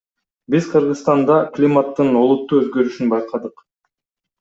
Биз Кыргызстанда климаттын олуттуу өзгөрүшүн байкадык.